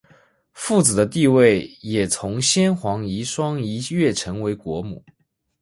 富子的地位也从先皇遗孀一跃成为国母。